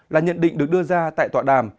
là nhận định được đưa ra tại tọa đàm